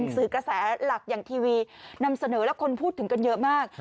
สื่อกระแสหลักอย่างทีวีนำเสนอและคนพูดถึงกันเยอะมาก